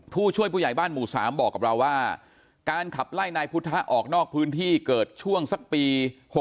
ผู้ช่วยผู้ใหญ่บ้านหมู่๓บอกกับเราว่าการขับไล่นายพุทธะออกนอกพื้นที่เกิดช่วงสักปี๖๖